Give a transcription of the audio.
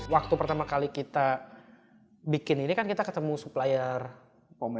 waktu pertama kali kita bikin ini kan kita ketemu supplier bahan bahannya ini